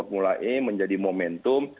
mulai menjadi momentum